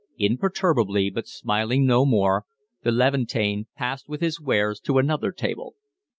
Imperturbably, but smiling no more, the Levantine passed with his wares to another table.